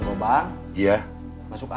jangan lupa tekan tombol